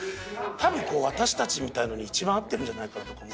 多分私たちみたいなのに一番合ってるんじゃないかとか。